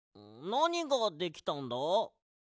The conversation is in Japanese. なにができたんだ？